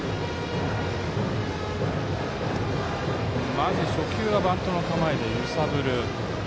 まず初球はバントの構えで揺さぶる。